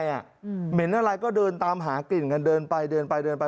เหม็นอะไรก็เดินตามหากลิ่นกันเดินไปเดินไปเดินไป